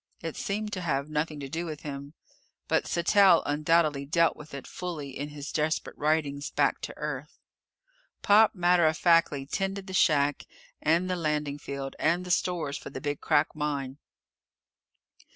It seemed to have nothing to do with him. But Sattell undoubtedly dealt with it fully in his desperate writings back to Earth. Pop matter of factly tended the shack and the landing field and the stores for the Big Crack mine.